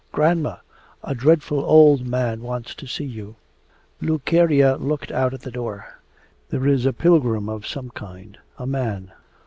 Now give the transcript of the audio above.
'Grandma, a dreadful old man wants to see you.' Lukerya looked out at the door. 'There is a pilgrim of some kind, a man...